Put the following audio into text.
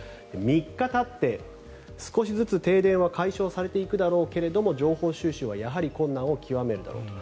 ３日たって少しずつ停電は解消されていくだろうけども情報収集はやはり困難を極めるだろうと